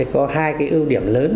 có hai ưu điểm lớn